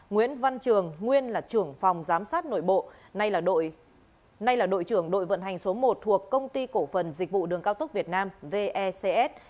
nguyễn văn trường nguyên là trưởng phòng giám sát nội bộ nay là nay là đội trưởng đội vận hành số một thuộc công ty cổ phần dịch vụ đường cao tốc việt nam vecs